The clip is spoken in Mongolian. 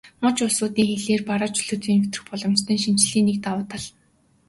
Муж улсуудын хилээр бараа чөлөөтэй нэвтрэх боломжтой болох нь шинэчлэлийн нэг давуу тал.